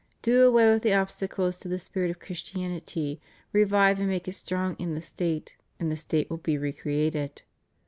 Do away with the obstacles to the spirit of Christianity ; revive and make it strong in the State, and the State will be recreated.